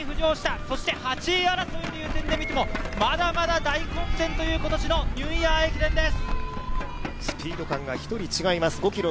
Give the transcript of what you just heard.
そして８位争いという点で見ても、まだまだ大混戦という今年のニューイヤー駅伝です。